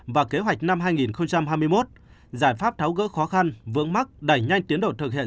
và kế hoạch năm hai nghìn hai mươi một giải pháp tháo gỡ khó khăn vướng mắt đẩy nhanh tiến độ thực hiện